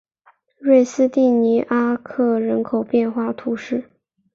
瑞斯蒂尼阿克人口变化图示